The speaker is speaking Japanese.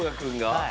はい。